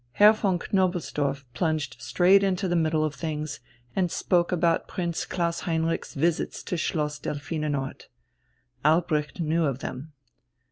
Herr von Knobelsdorff plunged straight into the middle of things, and spoke about Prince Klaus Heinrich's visits to Schloss Delphinenort. Albrecht knew of them.